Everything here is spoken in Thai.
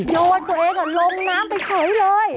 โยนตัวเองลงน้ำไปเฉยเลย